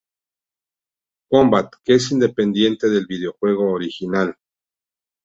Combat", que es independiente del videojuego original.